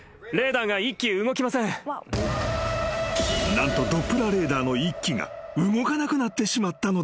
［何とドップラーレーダーの１基が動かなくなってしまったのだ］